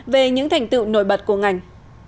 về những thành tựu nổi bật của ngành